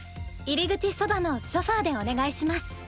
入り口そばのソファーでお願いします。